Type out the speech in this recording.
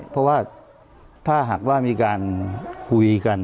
เพราะว่าถ้าหากว่ามีการคุยกัน